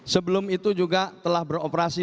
sebelum itu juga telah beroperasi